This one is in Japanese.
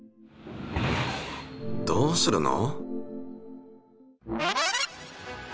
どうするの？